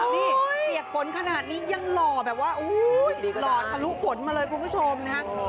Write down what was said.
นี่เปียกฝนขนาดนี้ยังหล่อแบบว่าหล่อทะลุฝนมาเลยคุณผู้ชมนะฮะ